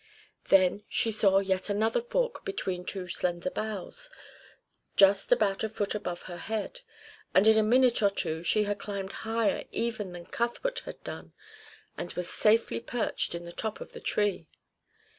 Then she saw yet another fork between two slender boughs, just about a foot above her head, and in a minute or two she had climbed higher even than Cuthbert had done, and was safely perched in the top of the tree.